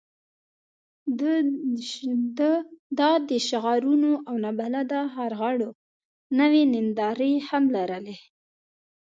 دا د شعارونو او نابلده غرغړو نوې نندارې هم لرلې.